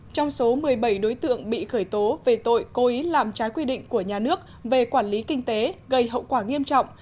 trong số một mươi bảy đối tượng bị khởi tố về tội cố ý làm trái quy định của nhà nước về quản lý kinh tế gây hậu quả nghiêm trọng